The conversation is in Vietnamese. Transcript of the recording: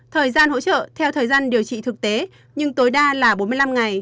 thời gian hỗ trợ theo thời gian điều trị thực tế nhưng tối đa là bốn mươi năm ngày